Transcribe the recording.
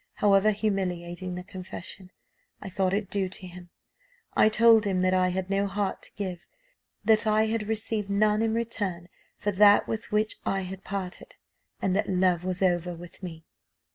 However humiliating the confession, I thought it due to him. I told him that I had no heart to give that I had received none in return for that with which I had parted, and that love was over with me.